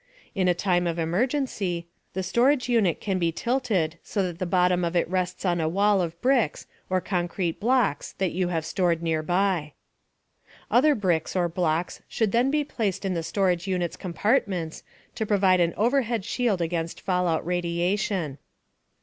In a time of emergency, the storage unit can be tilted so that the bottom of it rests on a wall of bricks or concrete blocks that you have stored nearby. Other bricks or blocks should then be placed in the storage unit's compartments, to provide an overhead shield against fallout radiation.